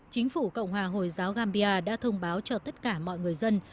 chính phủ cộng hòa hồi giáo gambia đã thông báo cho tất cả mọi người dân